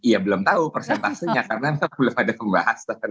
iya belum tahu persentasenya karena belum ada pembahasan